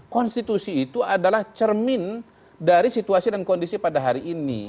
konstitusi itu adalah cermin dari situasi dan kondisi pada hari ini